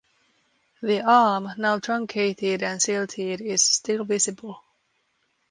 The arm, now truncated and silted, is still visible.